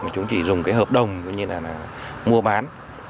chúng chỉ dùng cái hợp đồng như là mua bán